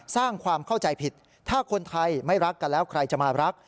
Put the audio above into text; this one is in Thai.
สร้างความเข้าใจผิดถ้าคนไทยไม่รักกันแล้วใครจะมารัก